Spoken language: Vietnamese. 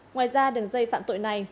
ngoài ra đường dây phạm tội này